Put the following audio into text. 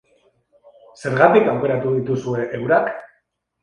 Zergatik aukeratu dituzue eurak?